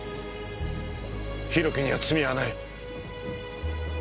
博貴には罪はない。